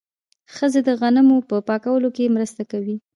ښځې د غنمو په پاکولو کې مرسته کوي.